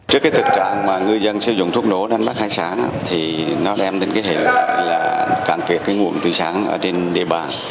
trước cái thực trạng mà ngư dân sử dụng thuốc nổ đánh bắt hải sản thì nó đem đến cái hệ là cạn kiệt cái nguồn thủy sản ở trên địa bàn